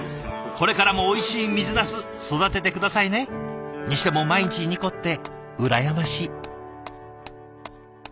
これからもおいしい水なす育てて下さいね。にしても毎日２個って羨ましい。